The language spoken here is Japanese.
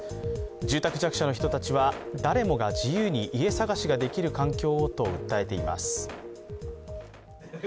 住宅弱者の人たちは誰もが自由に家探しができる環境をと訴えています。